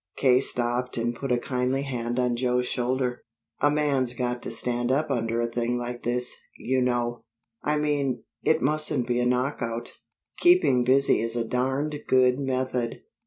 K. stopped and put a kindly hand on Joe's shoulder. "A man's got to stand up under a thing like this, you know. I mean, it mustn't be a knockout. Keeping busy is a darned good method."